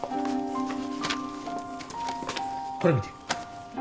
これ見て。